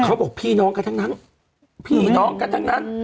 เขาบอกพี่น้องกันทั้งนั้น